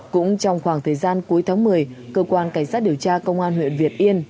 cũng trong khoảng thời gian cuối tháng một mươi cơ quan cảnh sát điều tra công an huyện việt yên